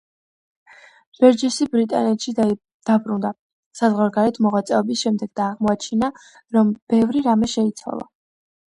ბერჯესი ბრიტანეთში დაბრუნდა საზღვარგარეთ მოღვაწეობის შემდეგ და აღმოაჩინა, რომ ბევრი რამე შეიცვალა.